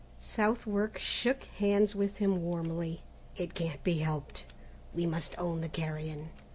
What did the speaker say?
Southwark shook hands with him warmly. "It can't be helped, we must own the carrion.